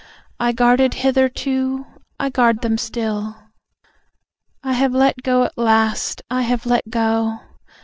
I guarded hitherto, I guard them still. I have let go at last. I have let go.